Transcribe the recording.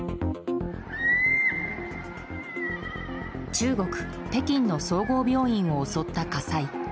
中国・北京の総合病院を襲った火災。